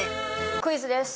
クイズです。